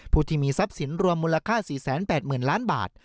ผู้ที่มีทรัพย์สินรวมมูลค่า๔๘๐๐๐ล้านบาท